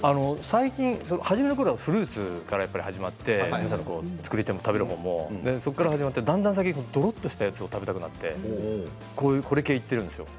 最近初めのころはフルーツからやっぱり始まって作り手も食べるほうもそこから始まってだんだん最近どろっとしたやつを食べたくなってこれ系いってるんですよ。